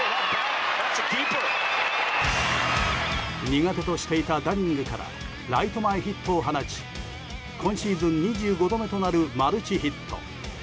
苦手としていたダニングからライト前ヒットを放ち今シーズン２５度目となるマルチヒット。